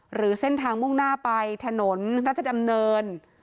หรือเส้นทางมุ่งหน้าไปถนนราชดำเนิน